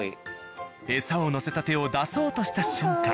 エサを載せた手を出そうとした瞬間。